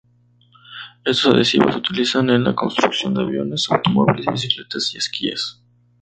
Estos adhesivos se utilizan en la construcción de aviones, automóviles, bicicletas, esquíes.